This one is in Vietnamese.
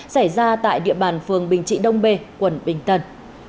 xảy ra tại địa bàn phường bình trị đông bê quận bình tân